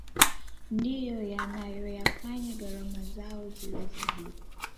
ndiyo yanayoyafanya gharama zao ziwe za juu